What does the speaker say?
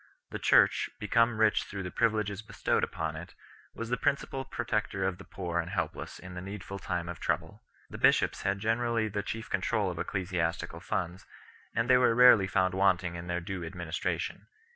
The Church, be come rich through the privileges bestowed upon it, was the principal protector of the poor and helpless in the needful time of trouble. The bishops had generally the chief control of ecclesiastical funds, and they were rarely found wanting in their due administration.